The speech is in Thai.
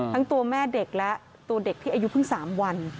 ทั้งตัวแม่เด็กและตัวเด็กที่อายุเพิ่ง๓วัน